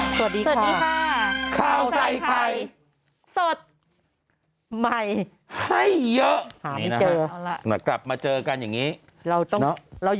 สวัสดีค่ะข้าวใส่ไข่สดใหม่ให้เยอะหาไม่เจอกลับมาเจอกันอย่างนี้